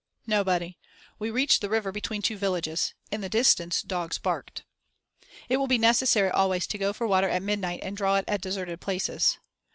"Nobody. We reached the river between two villages. In the distance dogs barked." "It will be necessary always to go for water at midnight and draw it at deserted places.